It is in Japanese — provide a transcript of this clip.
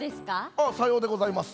あっさようでございます。